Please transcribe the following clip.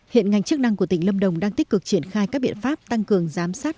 hiện ngành chức năng của tỉnh lâm đồng đang tích cực triển khai các biện pháp tăng cường giám sát